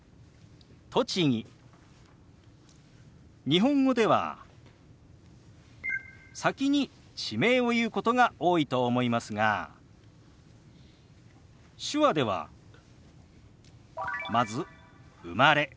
日本語では先に地名を言うことが多いと思いますが手話ではまず「生まれ」。